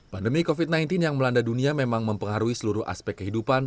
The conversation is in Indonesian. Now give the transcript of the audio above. pandemi covid sembilan belas yang melanda dunia memang mempengaruhi seluruh aspek kehidupan